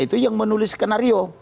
itu yang menulis skenario